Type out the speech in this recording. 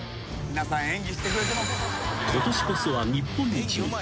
［ことしこそは日本一に］